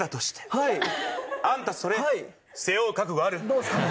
どうですかね？